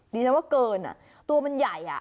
ดิฉันว่าเกินตัวมันใหญ่